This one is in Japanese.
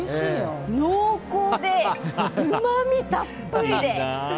濃厚で、うまみたっぷりで。